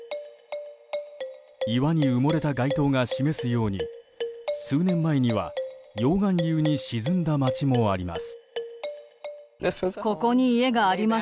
岩に埋もれた街灯が示すように数年前には溶岩流に沈んだ街もあります。